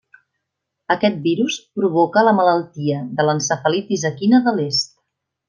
Aquest virus provoca la malaltia de l'encefalitis equina de l'est.